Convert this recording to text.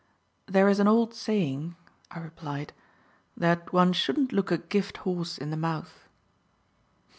"There is an old saying," I replied, "that one shouldn't look a gift horse in the mouth."